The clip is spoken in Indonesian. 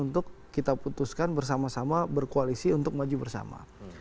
untuk kita putuskan bersama sama berkoalisi untuk maju bersama